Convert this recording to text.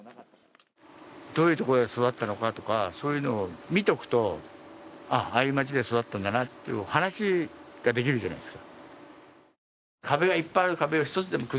どういうところで育ったのか、そういうのを見ておくと見ておくと、ああ、ああいう町で育ったんだなと話しできるじゃないですか。